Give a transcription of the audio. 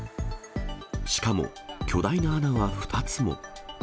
しかも巨大な穴は２つも。